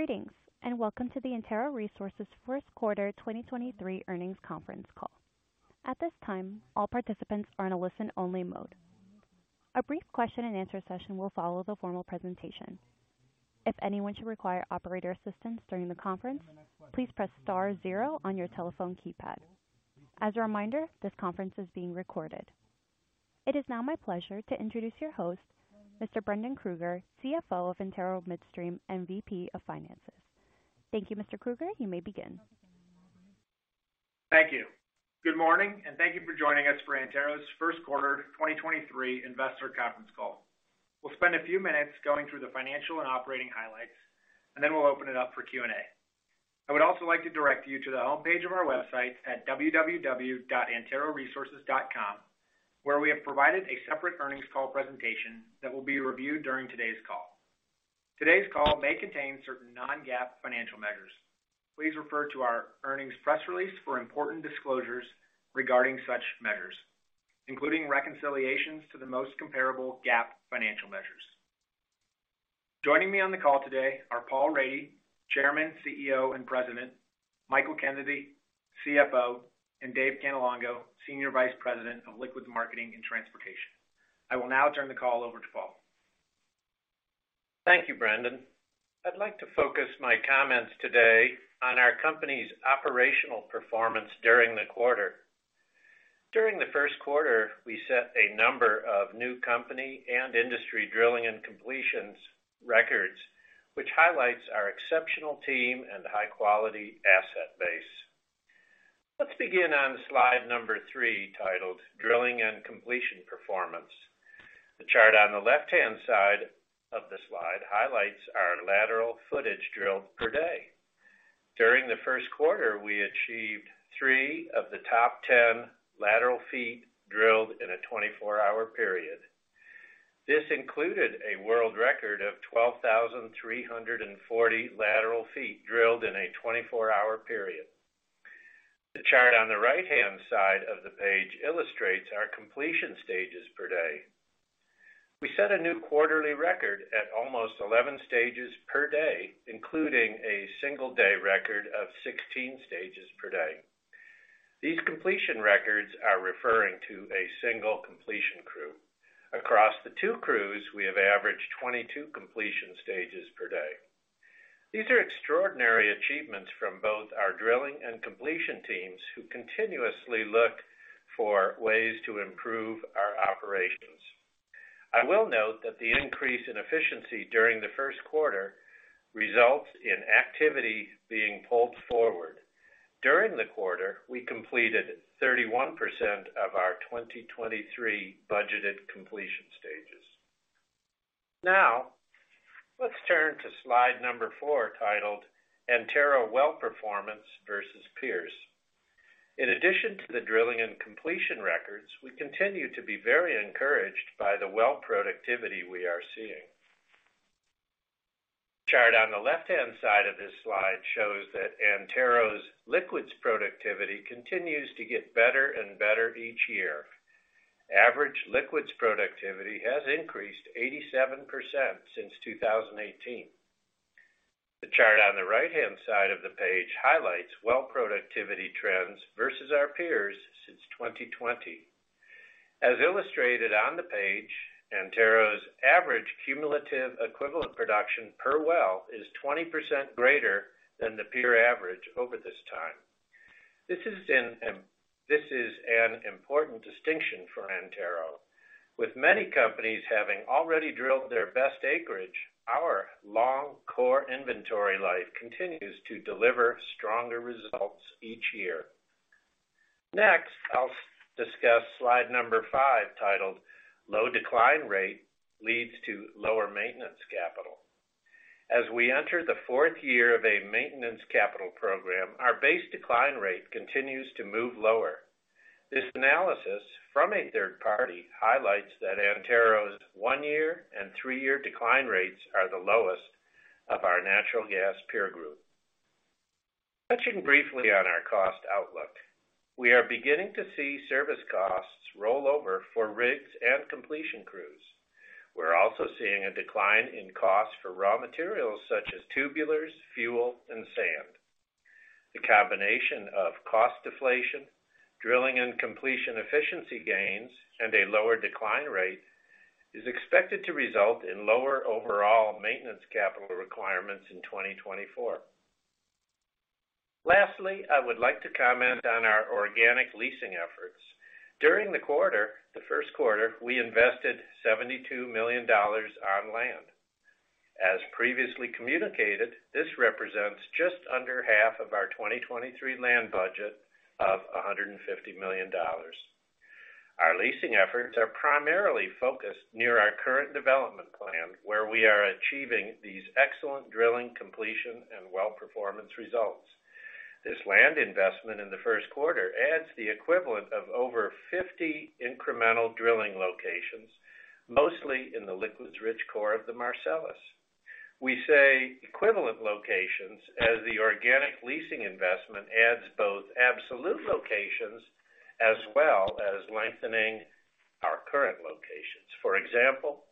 Greetings, welcome to the Antero Resources Q1 2023 earnings conference call. At this time, all participants are in a listen-only mode. A brief question-and-answer session will follow the formal presentation. If anyone should require operator assistance during the conference, please press star zero on your telephone keypad. As a reminder, this conference is being recorded. It is now my pleasure to introduce your host, Mr. Brendan Krueger, CFO of Antero Midstream and VP of Finance. Thank you, Mr. Krueger. You may begin. Thank you. Good morning, and thank you for joining us for Antero's Q1 2023 investor conference call. We'll spend a few minutes going through the financial and operating highlights, and then we'll open it up for Q&A. I would also like to direct you to the homepage of our website at www.anteroresources.com, where we have provided a separate earnings call presentation that will be reviewed during today's call. Today's call may contain certain non-GAAP financial measures. Please refer to our earnings press release for important disclosures regarding such measures, including reconciliations to the most comparable GAAP financial measures. Joining me on the call today are Paul Rady, Chairman, CEO, and President; Michael Kennedy, CFO; and Dave Cannelongo, Senior Vice President of Liquids Marketing and Transportation. I will now turn the call over to Paul. Thank you, Brendan. I'd like to focus my comments today on our company's operational performance during the quarter. During the Q1, we set a number of new company and industry drilling and completions records, which highlights our exceptional team and high-quality asset base. Let's begin on slide number three, titled Drilling and Completion Performance. The chart on the left-hand side of the slide highlights our lateral footage drilled per day. During the Q1, we achieved three of the top 10 lateral feet drilled in a 24-hour period. This included a world record of 12,340 lateral feet drilled in a 24-hour period. The chart on the right-hand side of the page illustrates our completion stages per day. We set a new quarterly record at almost 11 stages per day, including a single day record of 16 stages per day. These completion records are referring to a single completion crew. Across the two crews, we have averaged 22 completion stages per day. These are extraordinary achievements from both our drilling and completion teams, who continuously look for ways to improve our operations. I will note that the increase in efficiency during the Q1 results in activity being pulled forward. During the quarter, we completed 31% of our 2023 budgeted completion stages. Now, let's turn to slide number four, titled Antero Well Performance Versus Peers. In addition to the drilling and completion records, we continue to be very encouraged by the well productivity we are seeing. The chart on the left-hand side of this slide shows that Antero's liquids productivity continues to get better and better each year. Average liquids productivity has increased 87% since 2018. The chart on the right-hand side of the page highlights well productivity trends versus our peers since 2020. As illustrated on the page, Antero's average cumulative equivalent production per well is 20% greater than the peer average over this time. This is an important distinction for Antero. With many companies having already drilled their best acreage, our long core inventory life continues to deliver stronger results each year. I'll discuss slide five, titled Low Decline Rate Leads to Lower Maintenance Capital. As we enter the fourth year of a maintenance capital program, our base decline rate continues to move lower. This analysis from a third party highlights that Antero's one-year and three-year decline rates are the lowest of our natural gas peer group. Touching briefly on our cost outlook, we are beginning to see service costs roll over for rigs and completion crews. We're also seeing a decline in costs for raw materials such as tubulars, fuel, and sand. The combination of cost deflation, drilling and completion efficiency gains, and a lower decline rate is expected to result in lower overall maintenance capital requirements in 2024. Lastly, I would like to comment on our organic leasing efforts. During the quarter, the first quarter, we invested $72 million on land. As previously communicated, this represents just under half of our 2023 land budget of $150 million. Our leasing efforts are primarily focused near our current development plan, where we are achieving these excellent drilling completion and well performance results. This land investment in the first quarter adds the equivalent of over 50 incremental drilling locations, mostly in the liquids-rich core of the Marcellus. We say equivalent locations as the organic leasing investment adds both absolute locations as well as lengthening current locations. For example,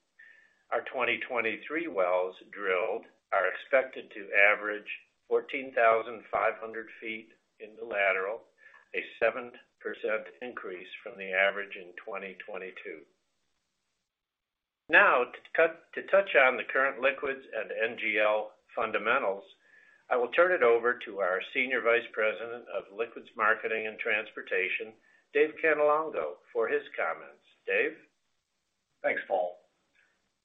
our 2023 wells drilled are expected to average 14,500 feet in the lateral, a 7% increase from the average in 2022. To touch on the current liquids and NGL fundamentals, I will turn it over to our Senior Vice President of Liquids Marketing and Transportation, Dave Cannelongo, for his comments. Dave? Thanks, Paul.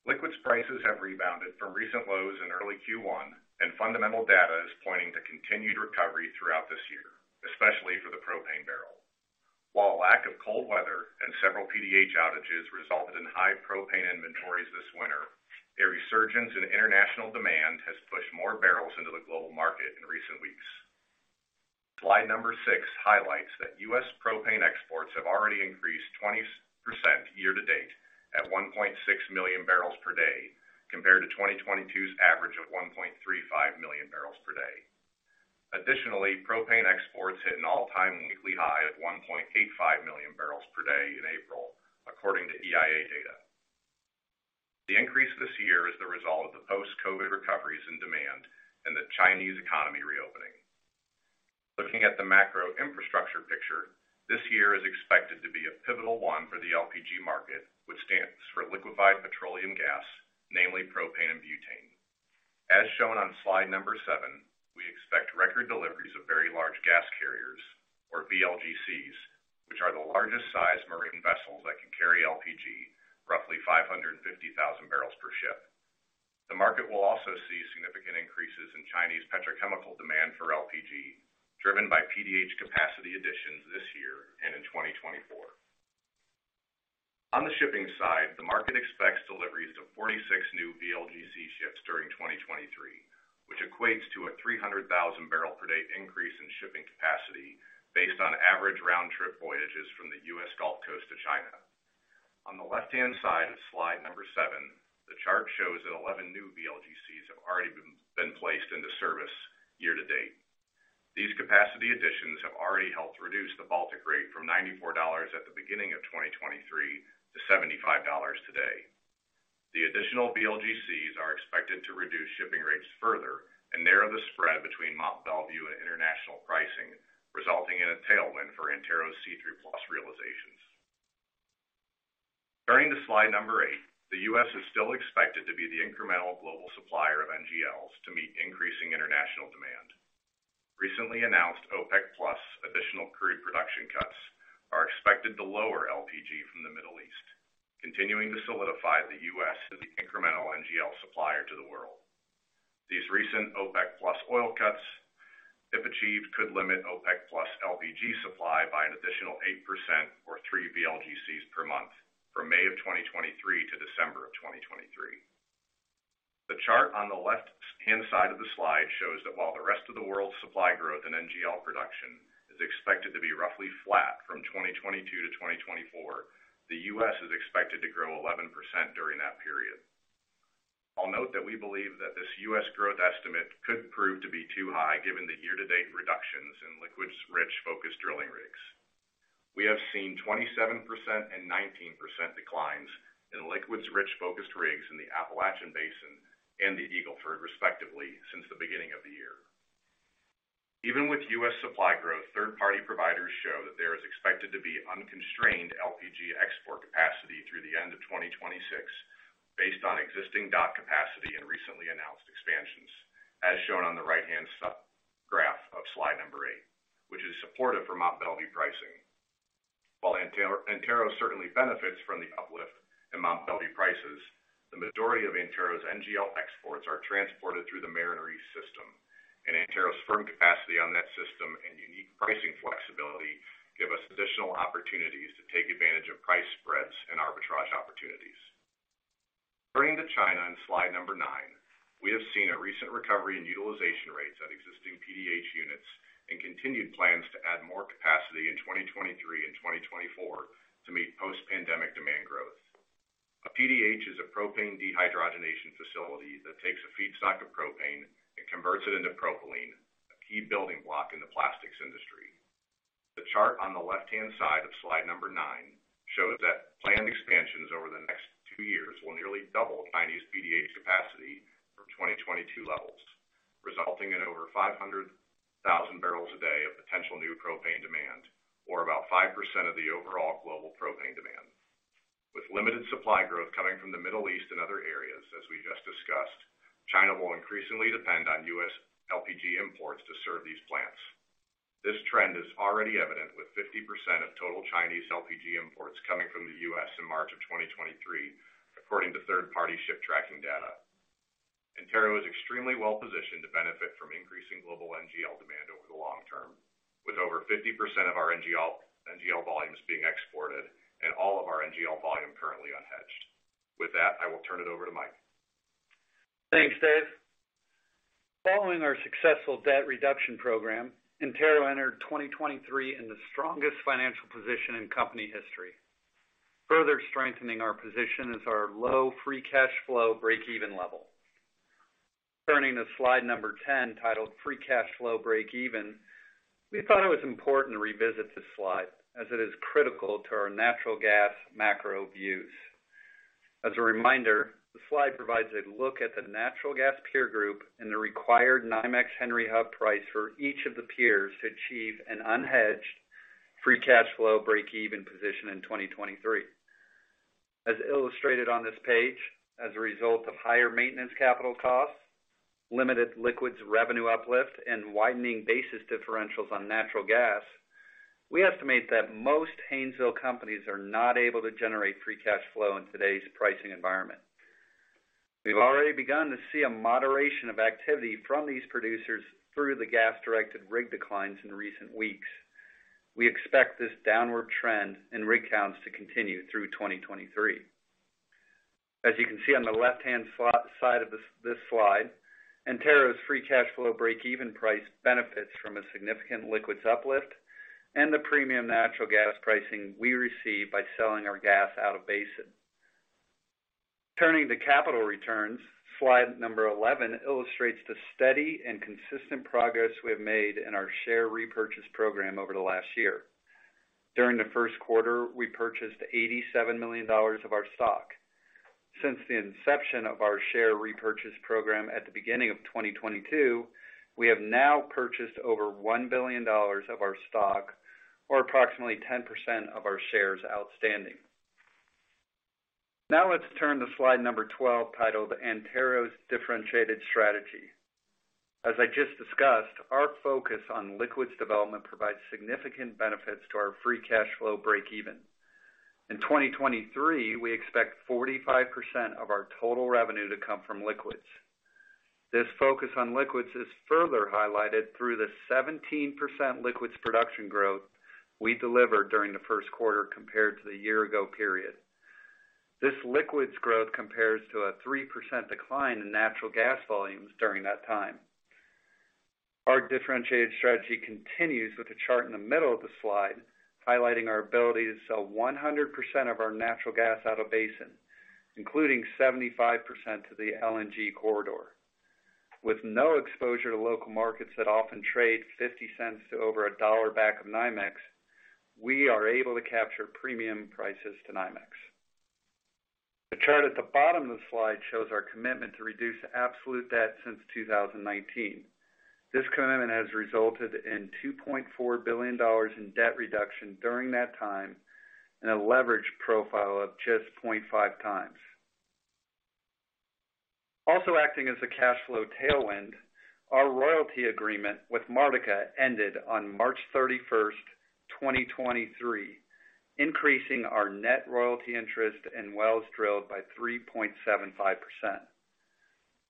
Liquids prices have rebounded from recent lows in early Q1, and fundamental data is pointing to continued recovery throughout this year, especially for the propane barrel. While lack of cold weather and several PDH outages resulted in high propane inventories this winter, a resurgence in international demand has pushed more barrels into the global market in recent weeks. Slide number six highlights that U.S. propane exports have already increased 20% year-to-date at 1.6 million barrels per day, compared to 2022's average of 1.35 million barrels per day. Additionally, propane exports hit an all-time weekly high at 1.85 million barrels per day in April, according to EIA data. The increase this year is the result of the post-COVID recoveries in demand and the Chinese economy reopening. Looking at the macro infrastructure picture, this year is expected to be a pivotal one for the LPG market, which stands for Liquefied Petroleum Gas, namely propane and butane. As shown on slide number seven, we expect record deliveries of very large gas carriers, or VLGCs, which are the largest size marine vessels that can carry LPG, roughly 550,000 barrels per ship. The market will also see significant increases in Chinese petrochemical demand for LPG, driven by PDH capacity additions this year and in 2024. On the shipping side, the market expects deliveries of 46 new VLGC ships during 2023, which equates to a 300,000 barrel per day increase in shipping capacity based on average round-trip voyages from the U.S. Gulf Coast to China. On the left-hand side of slide number seven, the chart shows that 11 new VLGCs have already been placed into service year-to-date. These capacity additions have already helped reduce the Baltic rate from $94 at the beginning of 2023 to $75 today. The additional VLGCs are expected to reduce shipping rates further and narrow the spread between Mont Belvieu and international pricing, resulting in a tailwind for Antero's C3+ realizations. Turning to slide number eight, the U.S. is still expected to be the incremental global supplier of NGLs to meet increasing international demand. Recently announced OPEC+ additional crude production cuts are expected to lower LPG from the Middle East, continuing to solidify the U.S. as the incremental NGL supplier to the world. These recent OPEC+ oil cuts, if achieved, could limit OPEC+ LPG supply by an additional 8% or three VLGCs per month from May of 2023 to December of 2023. The chart on the left hand side of the slide shows that while the rest of the world's supply growth in NGL production is expected to be roughly flat from 2022 to 2024, the U.S. is expected to grow 11% during that period. I'll note that we believe that this U.S. growth estimate could prove to be too high given the year-to-date reductions in liquids rich focused drilling rigs. We have seen 27% and 19% declines in liquids rich focused rigs in the Appalachian Basin and the Eagle Ford respectively since the beginning of the year. Even with U.S. supply growth, third-party providers show that there is expected to be unconstrained LPG export capacity through the end of 2026 based on existing dock capacity and recently announced expansions, as shown on the right-hand sub graph of slide number eight, which is supportive for Mont Belvieu pricing. While Antero certainly benefits from the uplift in Mont Belvieu prices, the majority of Antero's NGL exports are transported through the Mariner East system, and Antero's firm capacity on that system and unique pricing flexibility give us additional opportunities to take advantage of price spreads and arbitrage opportunities. Turning to China on slide number nine, we have seen a recent recovery in utilization rates at existing PDH units and continued plans to add more capacity in 2023 and 2024 to meet post-pandemic demand growth. A PDH is a propane dehydrogenation facility that takes a feedstock of propane and converts it into propylene, a key building block in the plastics industry. The chart on the left-hand side of slide number nine shows that planned expansions over the next two years will nearly double Chinese PDH capacity from 2022 levels, resulting in over 500,000 barrels a day of potential new propane demand, or about 5% of the overall global propane demand. With limited supply growth coming from the Middle East and other areas, as we just discussed, China will increasingly depend on U.S. LPG imports to serve these plants. This trend is already evident with 50% of total Chinese LPG imports coming from the U.S. in March of 2023, according to third-party ship tracking data. Antero is extremely well-positioned to benefit from increasing global NGL demand over the long term, with over 50% of our NGL volumes being exported and all of our NGL volume currently unhedged. With that, I will turn it over to Mike. Thanks, Dave. Following our successful debt reduction program, Antero entered 2023 in the strongest financial position in company history. Further strengthening our position is our low free cash flow breakeven level. Turning to slide number 10, titled Free Cash Flow Breakeven. We thought it was important to revisit this slide as it is critical to our natural gas macro views. As a reminder, the slide provides a look at the natural gas peer group and the required NYMEX Henry Hub price for each of the peers to achieve an unhedged free cash flow breakeven position in 2023. As illustrated on this page, as a result of higher maintenance capital costs, limited liquids revenue uplift, and widening basis differentials on natural gas, we estimate that most Haynesville companies are not able to generate free cash flow in today's pricing environment. We've already begun to see a moderation of activity from these producers through the gas-directed rig declines in recent weeks. We expect this downward trend in rig counts to continue through 2023. As you can see on the left-hand side of this slide, Antero's free cash flow breakeven price benefits from a significant liquids uplift and the premium natural gas pricing we receive by selling our gas out-of-basin. Slide number 11 illustrates the steady and consistent progress we have made in our share repurchase program over the last year. During the first quarter, we purchased $87 million of our stock. Since the inception of our share repurchase program at the beginning of 2022, we have now purchased over $1 billion of our stock, or approximately 10% of our shares outstanding. Let's turn to slide number 12, titled Antero's Differentiated Strategy. As I just discussed, our focus on liquids development provides significant benefits to our free cash flow breakeven. In 2023, we expect 45% of our total revenue to come from liquids. This focus on liquids is further highlighted through the 17% liquids production growth we delivered during the first quarter compared to the year ago period. This liquids growth compares to a 3% decline in natural gas volumes during that time. Our differentiated strategy continues with the chart in the middle of the slide, highlighting our ability to sell 100% of our natural gas out-of-basin, including 75% to the LNG corridor. With no exposure to local markets that often trade $0.50 to over $1 back of NYMEX, we are able to capture premium prices to NYMEX. The chart at the bottom of the slide shows our commitment to reduce absolute debt since 2019. This commitment has resulted in $2.4 billion in debt reduction during that time and a leverage profile of just 0.5 times. Acting as a cash flow tailwind, our royalty agreement with Martica ended on March 31, 2023, increasing our net royalty interest in wells drilled by 3.75%.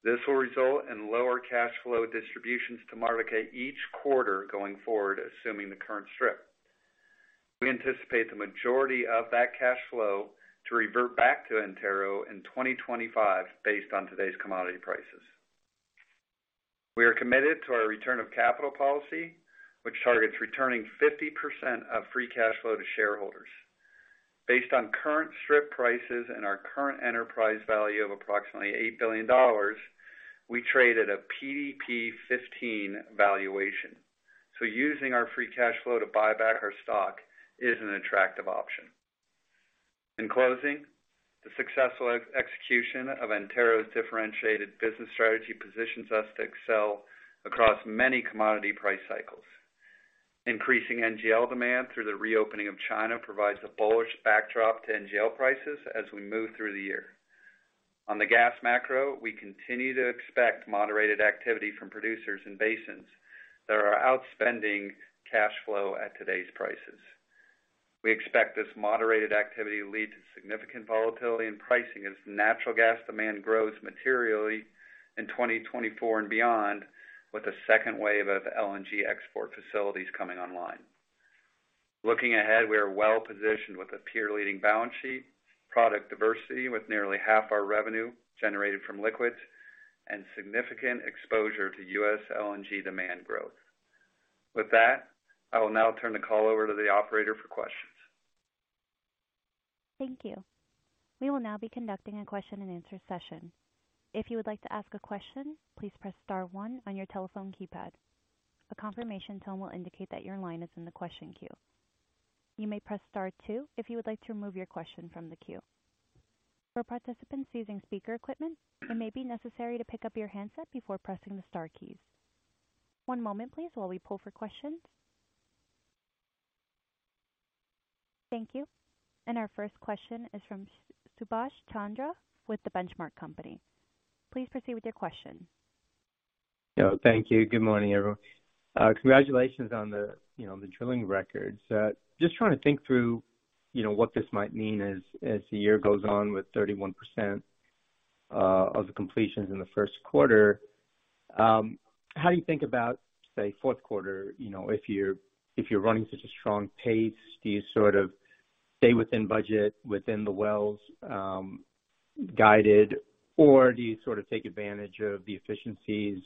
This will result in lower cash flow distributions to Martica each quarter going forward, assuming the current strip. We anticipate the majority of that cash flow to revert back to Antero in 2025 based on today's commodity prices. We are committed to our return of capital policy, which targets returning 50% of free cash flow to shareholders. Based on current strip prices and our current enterprise value of approximately $8 billion, we trade at a PDP 15 valuation, so using our free cash flow to buy back our stock is an attractive option. In closing, the successful execution of Antero's differentiated business strategy positions us to excel across many commodity price cycles. Increasing NGL demand through the reopening of China provides a bullish backdrop to NGL prices as we move through the year. On the gas macro, we continue to expect moderated activity from producers in basins that are outspending cash flow at today's prices. We expect this moderated activity to lead to significant volatility in pricing as natural gas demand grows materially in 2024 and beyond, with a second wave of LNG export facilities coming online. Looking ahead, we are well-positioned with a peer-leading balance sheet, product diversity with nearly half our revenue generated from liquids, and significant exposure to US LNG demand growth. With that, I will now turn the call over to the operator for questions. Thank you. We will now be conducting a question-and-answer session. If you would like to ask a question, please press star one on your telephone keypad. A confirmation tone will indicate that your line is in the question queue. You may press star two if you would like to remove your question from the queue. For participants using speaker equipment, it may be necessary to pick up your handset before pressing the star keys. One moment please while we pull for questions. Thank you. Our first question is from Subash Chandra with The Benchmark Company. Please proceed with your question. Thank you. Good morning, everyone. Congratulations on the, you know, the drilling records. Just trying to think through, you know, what this might mean as the year goes on with 31% of the completions in the first quarter. How do you think about, say, fourth quarter? You know, if you're running such a strong pace, do you sort of stay within budget, within the wells guided, or do you sort of take advantage of the efficiencies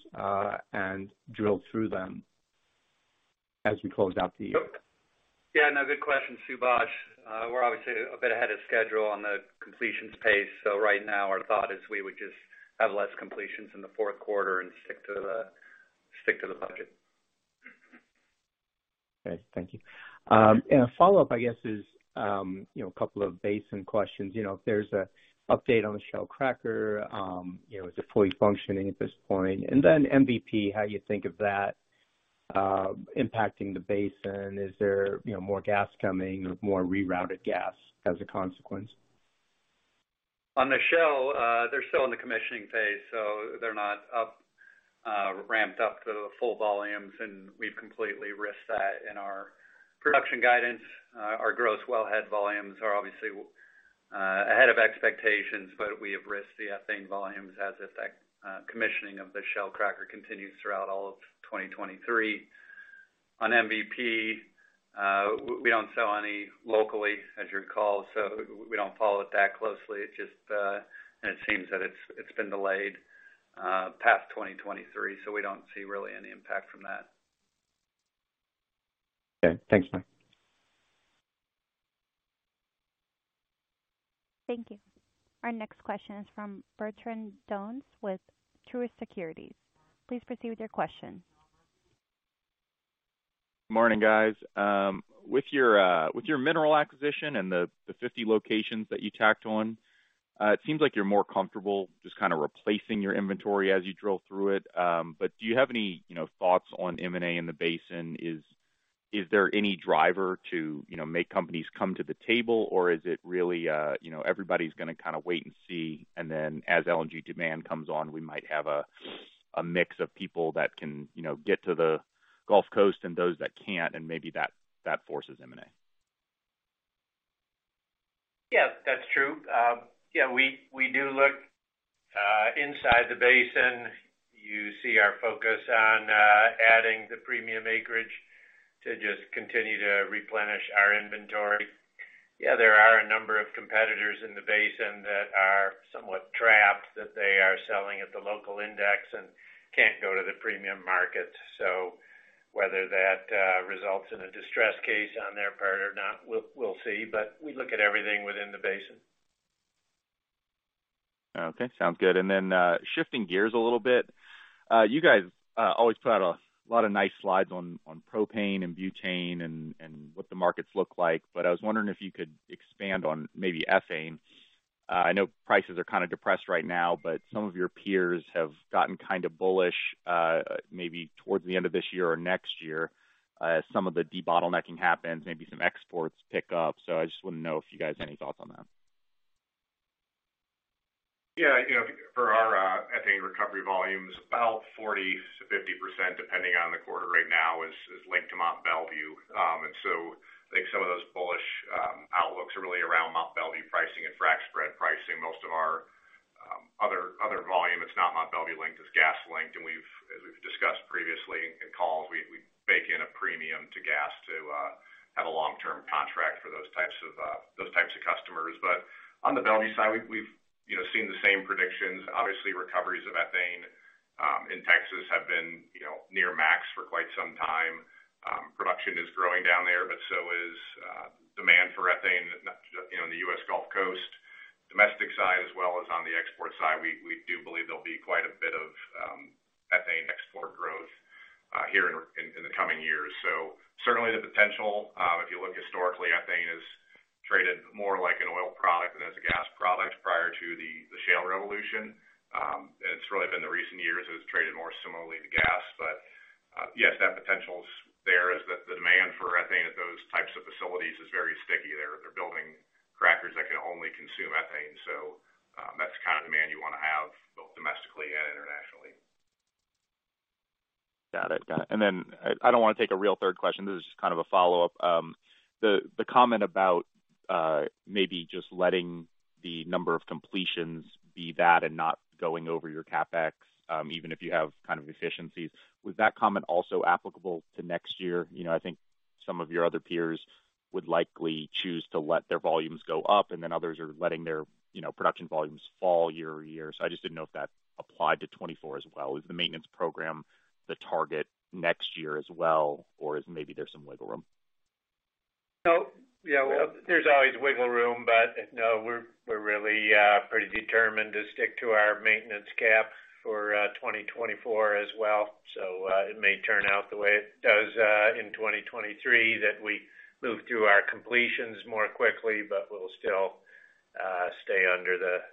and drill through them? As we close out the year. Yeah, no good question, Subash. We're obviously a bit ahead of schedule on the completions pace. Right now our thought is we would just have less completions in the fourth quarter and stick to the budget. Okay. Thank you. A follow-up, I guess is, you know, a couple of basin questions. You know, if there's a update on the Shell cracker, you know, is it fully functioning at this point? MVP, how you think of that, impacting the basin? Is there, you know, more gas coming or more rerouted gas as a consequence? On the Shell, they're still in the commissioning phase, so they're not up, ramped up to full volumes, and we've completely risked that in our production guidance. Our gross wellhead volumes are obviously ahead of expectations, but we have risked the ethane volumes as if that commissioning of the Shell cracker continues throughout all of 2023. On MVP, we don't sell any locally, as you recall, so we don't follow it that closely. It seems that it's been delayed past 2023, so we don't see really any impact from that. Okay. Thanks, Mike. Thank you. Our next question is from Bertrand Donnes with Truist Securities. Please proceed with your question. Morning, guys. With your mineral acquisition and the 50 locations that you tacked on, it seems like you're more comfortable just kinda replacing your inventory as you drill through it. Do you have any, you know, thoughts on M&A in the basin? Is there any driver to, you know, make companies come to the table, or is it really, you know, everybody's gonna kinda wait and see, and then as LNG demand comes on, we might have a mix of people that can, you know, get to the Gulf Coast and those that can't, and maybe that forces M&A? Yeah, that's true. Yeah, we do look inside the basin. You see our focus on adding the premium acreage to just continue to replenish our inventory. Yeah, there are a number of competitors in the basin that are somewhat trapped, that they are selling at the local index and can't go to the premium market. Whether that results in a distressed case on their part or not, we'll see. We look at everything within the basin. Okay. Sounds good. Shifting gears a little bit, you guys always put out a lot of nice slides on propane and butane and what the markets look like, but I was wondering if you could expand on maybe ethane. I know prices are kinda depressed right now, but some of your peers have gotten kinda bullish, maybe towards the end of this year or next year, as some of the debottlenecking happens, maybe some exports pick up. I just wanna know if you guys any thoughts on that? Yeah. You know, for our ethane recovery volumes, about 40%-50%, depending on the quarter right now is linked to Mont Belvieu. I think some of those bullish outlooks are really around Mont Belvieu pricing and frac spread pricing. Most of our other volume, it's not Mont Belvieu linked, it's gas linked. As we've discussed previously in calls, we bake in a premium to gas to have a long-term contract for those types of customers. On the Belvieu side, we've, you know, seen the same predictions. Obviously, recoveries of ethane in Texas have been, you know, near max for quite some time. Production is growing down there, but so is demand for ethane, not just, you know, in the US Gulf Coast. Domestic side as well as on the export side, we do believe there'll be quite a bit of ethane export growth here in the coming years. Certainly the potential, if you look historically, ethane is traded more like an oil product than as a gas product prior to the shale revolution. It's really been the recent years, it was traded more similarly to gas. Yes, that potential's there as the demand for ethane at those types of facilities is very sticky. They're building crackers that can only consume ethane. That's the kind of demand you wanna have both domestically and internationally. Got it. Got it. I don't wanna take a real third question. This is just kind of a follow-up. The comment about, maybe just letting the number of completions be that and not going over your CapEx, even if you have kind of efficiencies. Was that comment also applicable to next year? You know, I think some of your other peers would likely choose to let their volumes go up and then others are letting their, you know, production volumes fall year over year. I just didn't know if that applied to 2024 as well. Is the maintenance program the target next year as well, or is maybe there's some wiggle room? Yeah, well, there's always wiggle room, but no, we're really pretty determined to stick to our maintenance cap for 2024 as well. It may turn out the way it does in 2023, that we move through our completions more quickly, but we'll still stay under the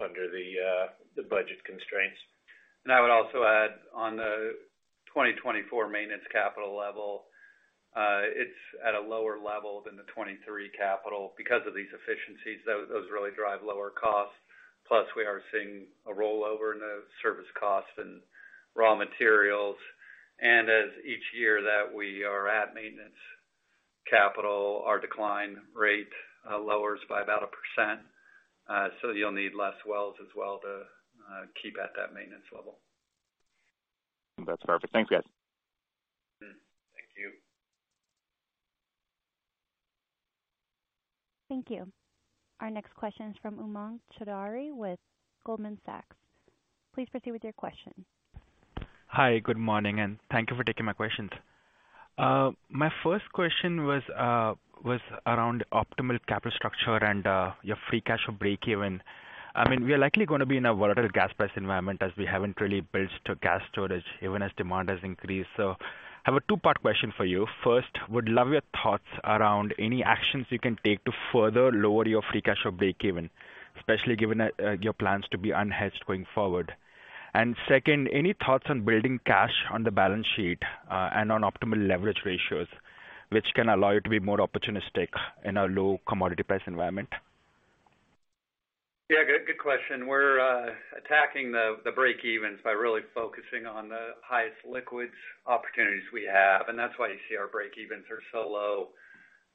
budget constraints. I would also add on the 2024 maintenance capital level, it's at a lower level than the 2023 capital. Because of these efficiencies, those really drive lower costs. Plus, we are seeing a rollover in the service costs and raw materials. As each year that we are at maintenance capital, our decline rate lowers by about 1%, so you'll need less wells as well to keep at that maintenance level. That's perfect. Thanks, guys. Thank you. Thank you. Our next question is from Umang Choudhary with Goldman Sachs. Please proceed with your question. Hi, good morning, and thank you for taking my questions. My first question was around optimal capital structure and your free cash flow breakeven. I mean, we are likely gonna be in a volatile gas price environment as we haven't really built gas storage even as demand has increased. I have a two-part question for you. First, would love your thoughts around any actions you can take to further lower your free cash flow breakeven, especially given your plans to be unhedged going forward. Second, any thoughts on building cash on the balance sheet and on optimal leverage ratios, which can allow you to be more opportunistic in a low commodity price environment? Good, good question. We're attacking the breakevens by really focusing on the highest liquids opportunities we have. That's why you see our breakevens are so low.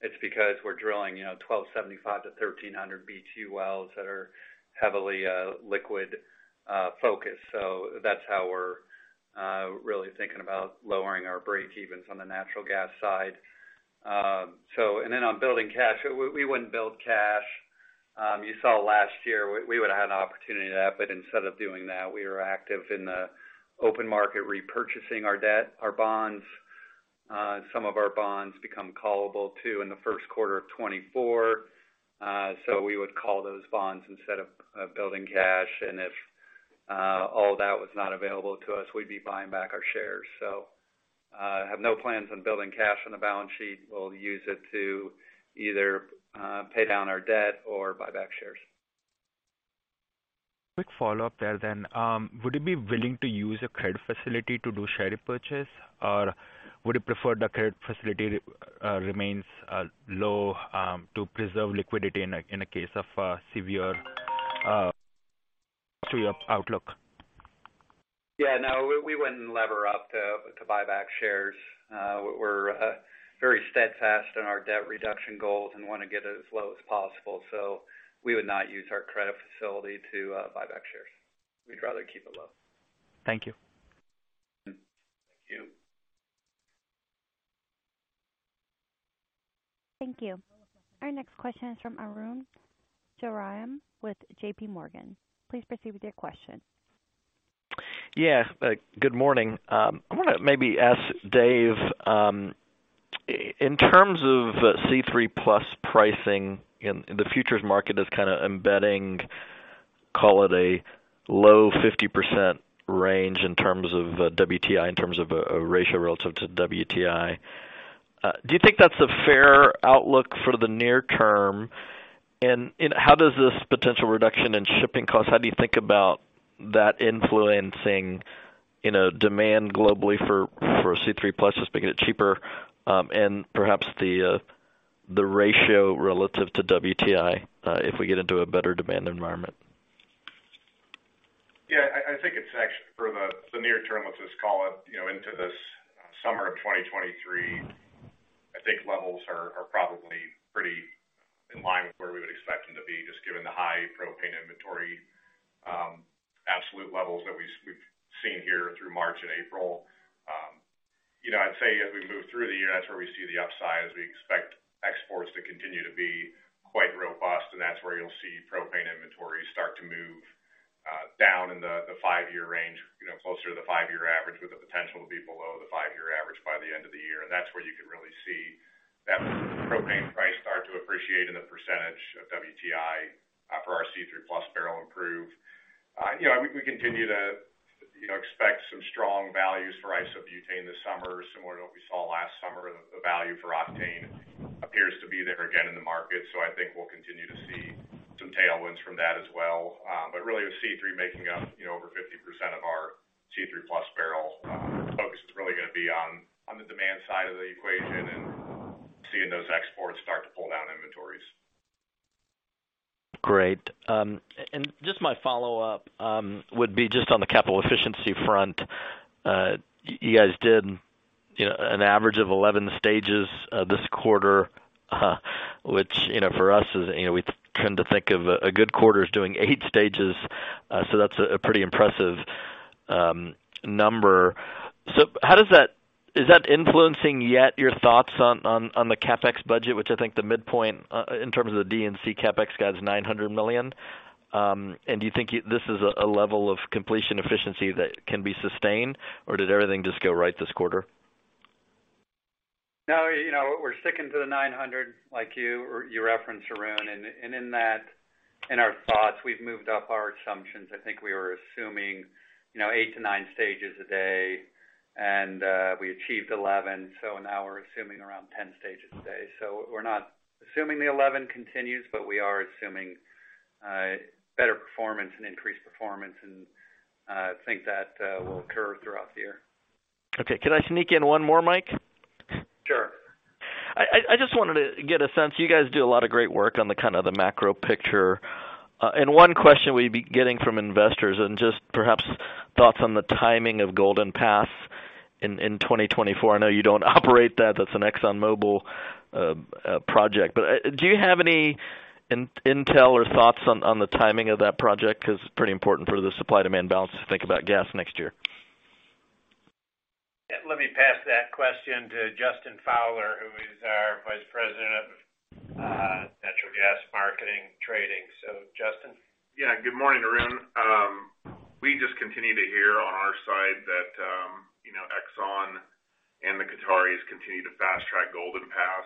It's because we're drilling, you know, 1,275 to 1,300 BTU wells that are heavily liquid focused. That's how we're really thinking about lowering our breakevens on the natural gas side. Then on building cash, we wouldn't build cash. You saw last year we would've had an opportunity to that, but instead of doing that, we were active in the open market repurchasing our debt, our bonds. Some of our bonds become callable too in the first quarter of 2024. We would call those bonds instead of building cash. If all that was not available to us, we'd be buying back our shares. Have no plans on building cash on the balance sheet. We'll use it to either, pay down our debt or buy back shares. Quick follow-up there then. Would you be willing to use a credit facility to do share repurchase, or would you prefer the credit facility remains low to preserve liquidity in a case of severe to your outlook? No, we wouldn't lever up to buy back shares. We're very steadfast in our debt reduction goals and wanna get as low as possible. We would not use our credit facility to buy back shares. We'd rather keep it low. Thank you. Thank you. Thank you. Our next question is from Arun Jayaram with JPMorgan. Please proceed with your question. Good morning. I wanna maybe ask Dave, in terms of C3+ pricing in the futures market is kinda embedding, call it a low 50% range in terms of WTI, in terms of a ratio relative to WTI. Do you think that's a fair outlook for the near term? How does this potential reduction in shipping costs, how do you think about that influencing, you know, demand globally for C3+ just making it cheaper, and perhaps the ratio relative to WTI, if we get into a better demand environment? Yeah, I think it's for the near term, let's just call it, you know, into this summer of 2023, I think levels are probably pretty in line with where we would expect them to be, just given the high propane inventory, absolute levels that we've seen here through March and April. You know, I'd say as we move through the year, that's where we see the upside, as we expect exports to continue to be quite robust, and that's where you'll see propane inventories start to move down in the five-year range, you know, closer to the five-year average, with the potential to be below the five-year average by the end of the year. That's where you could really see that propane price start to appreciate in the percentage of WTI for our C3+ barrel improve. You know, we continue to, you know, expect some strong values for isobutane this summer, similar to what we saw last summer. The value for octane appears to be there again in the market. I think we'll continue to see some tailwinds from that as well. Really with C3 making up, you know, over 50% of our C3+ barrel, the focus is really gonna be on the demand side of the equation and seeing those exports start to pull down inventories. Great. Just my follow-up would be just on the capital efficiency front. You guys did, you know, an average of 11 stages this quarter, which, you know, for us is, you know, we tend to think of a good quarter as doing eight stages. That's a pretty impressive number. How does that influencing yet your thoughts on the CapEx budget, which I think the midpoint in terms of the D&C CapEx guide is $900 million? Do you think this is a level of completion efficiency that can be sustained, or did everything just go right this quarter? No, you know, we're sticking to the 900, like you referenced, Arun. In that, in our thoughts, we've moved up our assumptions. I think we were assuming, you know, 8-9 stages a day, and we achieved 11. Now we're assuming around 10 stages a day. We're not assuming the 11 continues, but we are assuming better performance and increased performance, and I think that will occur throughout the year. Okay. Could I sneak in one more, Mike? Sure. I just wanted to get a sense. You guys do a lot of great work on the kind of the macro picture. One question we've been getting from investors and just perhaps thoughts on the timing of Golden Pass in 2024. I know you don't operate that. That's an ExxonMobil project. Do you have any intel or thoughts on the timing of that project? 'Cause it's pretty important for the supply-demand balance to think about gas next year. Let me pass that question to Justin Fowler, who is our Vice President of Natural Gas Marketing Trading. Justin? Good morning, Arun Jayaram. We just continue to hear on our side that, you know, Exxon and the Qataris continue to fast-track Golden Pass.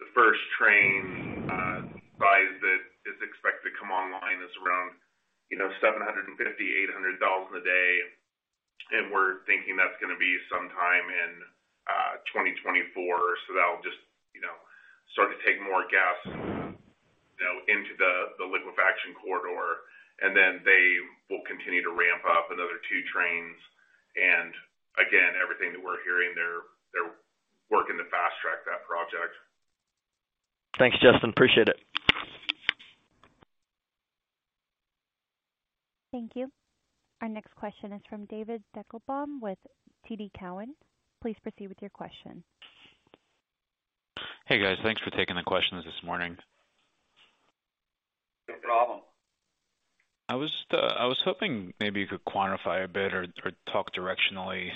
The first train size that is expected to come online is around, you know, 750,000-800,000 a day, and we're thinking that's gonna be sometime in 2024. That'll just, you know, start to take more gas, you know, into the liquefaction corridor, and then they will continue to ramp up another two trains. Again, everything that we're hearing, they're working to fast-track that project. Thanks, Justin. Appreciate it. Thank you. Our next question is from David Deckelbaum with TD Cowen. Please proceed with your question. Hey, guys. Thanks for taking the questions this morning. No problem. I was hoping maybe you could quantify a bit or talk directionally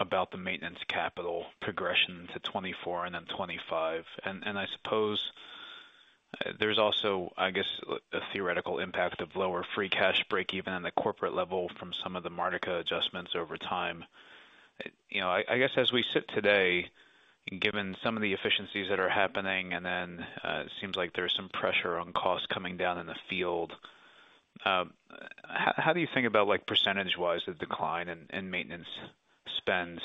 about the maintenance capital progression to 2024 and then 2025. I suppose there's also, I guess, a theoretical impact of lower free cash break even in the corporate level from some of the Martica adjustments over time. You know, I guess as we sit today, given some of the efficiencies that are happening and then it seems like there's some pressure on costs coming down in the field, how do you think about like percentage-wise the decline in maintenance spend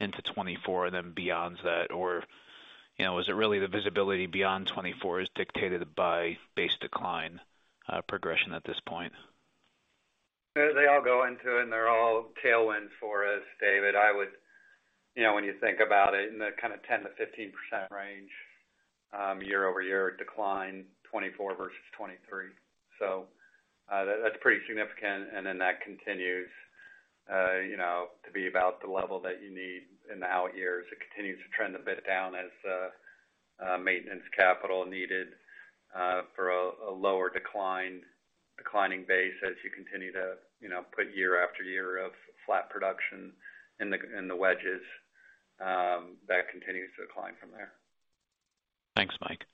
into 2024 then beyond that? You know, is it really the visibility beyond 2024 is dictated by base decline progression at this point? They all go into and they're all tailwinds for us, David. You know, when you think about it in the kind of 10%-15% range, year-over-year decline, 2024 versus 2023. That's pretty significant. That continues, you know, to be about the level that you need in the out years. It continues to trend a bit down as maintenance capital needed for a declining base as you continue to, you know, put year after year of flat production in the, in the wedges, that continues to decline from there. Thanks, Mike.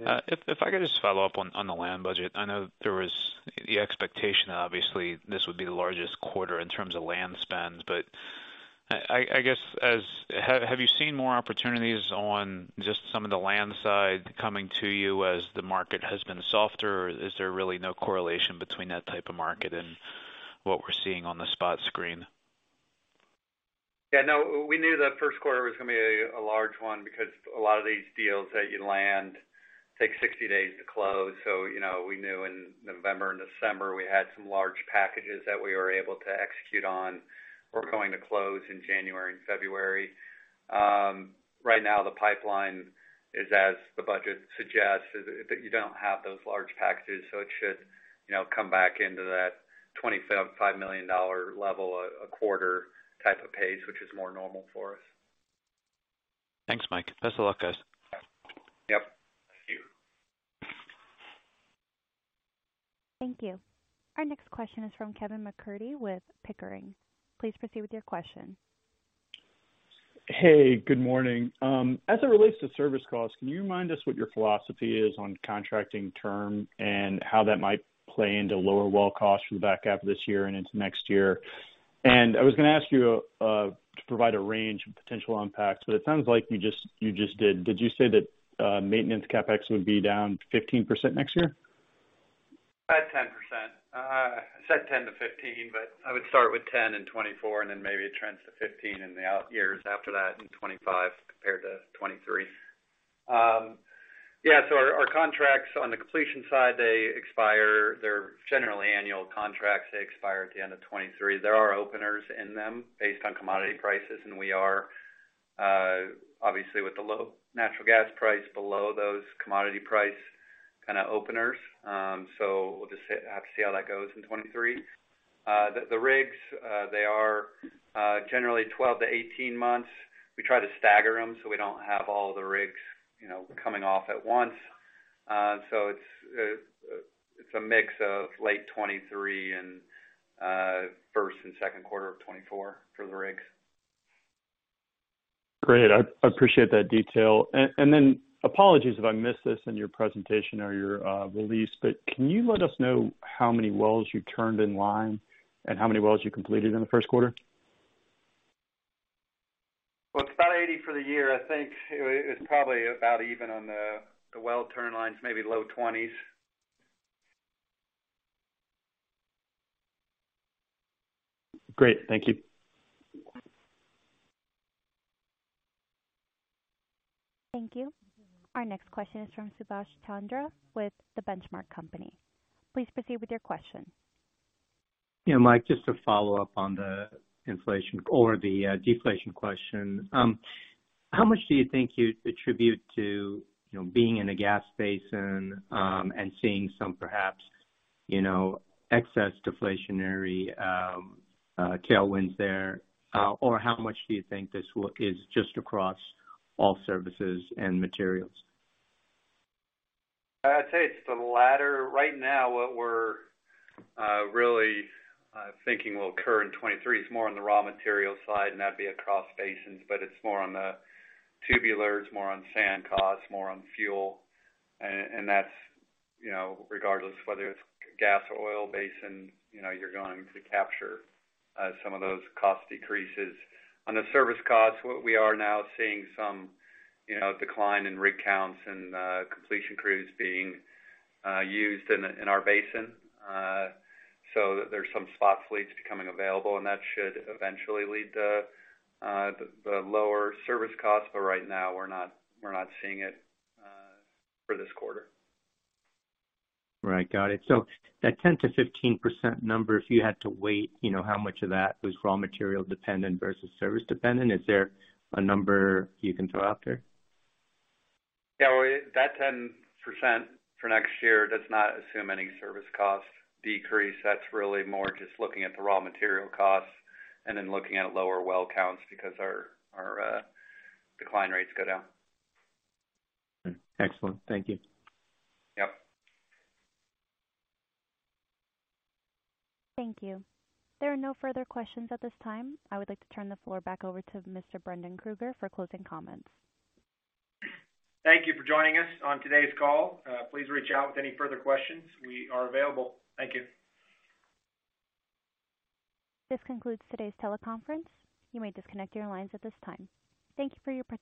Yeah. If I could just follow up on the land budget. I know there was the expectation that obviously this would be the largest quarter in terms of land spend, but I guess. Have you seen more opportunities on just some of the land side coming to you as the market has been softer, or is there really no correlation between that type of market and what we're seeing on the spot screen? Yeah, no. We knew that Q1 was gonna be a large one because a lot of these deals that you land take 60 days to close. You know, we knew in November and December we had some large packages that we were able to execute on. We're going to close in January and February. Right now, the pipeline is as the budget suggests, is that you don't have those large packages, so it should, you know, come back into that $25 million level a quarter type of pace, which is more normal for us. Thanks, Mike. Best of luck, guys. Yep. Thank you. Thank you. Our next question is from Kevin MacCurdy with Pickering. Please proceed with your question. Hey, good morning. As it relates to service costs, can you remind us what your philosophy is on contracting term and how that might play into lower well costs for the back half of this year and into next year? I was gonna ask you to provide a range of potential impacts, but it sounds like you just did. Did you say that maintenance CapEx would be down 15% next year? About 10%. I said 10 to 15, but I would start with 10 in 2024, and then maybe it trends to 15 in the out years after that in 2025 compared to 2023. Our contracts on the completion side, they expire. They're generally annual contracts. They expire at the end of 2023. There are openers in them based on commodity prices, and we are, obviously with the low natural gas price below those commodity price kinda openers. We'll just have to see how that goes in 2023. The rigs, they are generally 12 to 18 months. We try to stagger them, so we don't have all the rigs, you know, coming off at once. It's a mix of late 2023 and first and Q2 of 2024 for the rigs. Great. I appreciate that detail. Apologies if I missed this in your presentation or your release, can you let us know how many wells you turned in line and how many wells you completed in the Q1? Well, it's about 80 for the year. I think it was probably about even on the well turn lines, maybe low 20s. Great. Thank you. Thank you. Our next question is from Subash Chandra with The Benchmark Company. Please proceed with your question. Yeah, Mike, just to follow up on the inflation or the deflation question. How much do you think you attribute to, you know, being in a gas basin, and seeing some perhaps, you know, excess deflationary tailwinds there? Or how much do you think is just across all services and materials? I'd say it's the latter. Right now, what we're really thinking will occur in 2023 is more on the raw material side, and that'd be across basins, but it's more on the tubulars, more on sand costs, more on fuel. That's, you know, regardless whether it's gas or oil basin, you know, you're going to capture some of those cost decreases. On the service costs, what we are now seeing some, you know, decline in rig counts and completion crews being used in our basin. There's some spot fleets becoming available, and that should eventually lead to the lower service costs. Right now we're not, we're not seeing it for this quarter. Right. Got it. That 10%-15% number, if you had to weight, you know, how much of that was raw material dependent versus service dependent, is there a number you can throw out there? Yeah. That 10% for next year does not assume any service cost decrease. That's really more just looking at the raw material costs and then looking at lower well counts because our decline rates go down. Excellent. Thank you. Yep. Thank you. There are no further questions at this time. I would like to turn the floor back over to Mr. Brendan Krueger for closing comments. Thank you for joining us on today's call. Please reach out with any further questions. We are available. Thank you. This concludes today's teleconference. You may disconnect your lines at this time. Thank you for your participation.